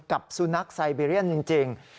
กับสุนัขไซเบเรียนจริง